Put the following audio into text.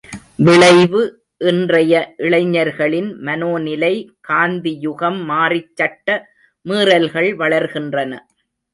விளைவு இன்றைய இளைஞர்களின் மனோ நிலை காந்தியுகம் மாறிச் சட்ட மீறல்கள் வளர்கின்றன.